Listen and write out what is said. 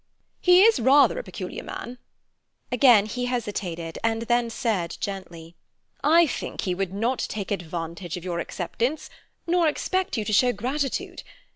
"He is rather a peculiar man." Again he hesitated, and then said gently: "I think he would not take advantage of your acceptance, nor expect you to show gratitude.